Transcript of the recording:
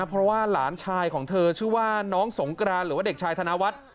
เพราะว่าหลานชายของเธอชื่อว่าน้องสงกรานหรือว่าเด็กชายธนวัฒน์